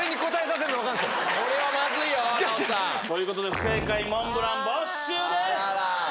ＮＡＯＴＯさんということで不正解モンブラン没収です